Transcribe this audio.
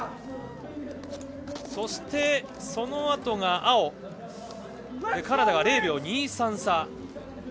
そして、そのあとが青、カナダが０秒２３差。